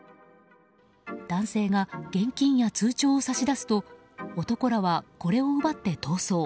男性が現金や通帳を差し出すと男らはこれを奪って逃走。